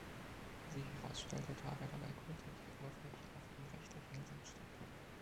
Wie sich herausstellte, traf er dabei kurz unter der Oberfläche auf einen rechteckigen Sandsteinblock.